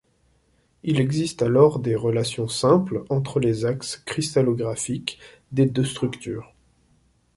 Il existe alors des relations simples entre les axes cristallographiques des deux structures.